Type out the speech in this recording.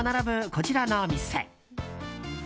こちらの店。